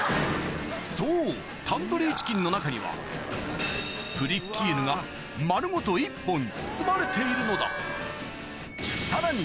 そうタンドリーチキンの中にはプリッキーヌが丸ごと１本包まれているのださらに